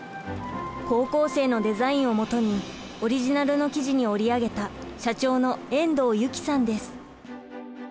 高校生のデザインをもとにオリジナルの生地に織り上げた社長の遠藤由貴さんです。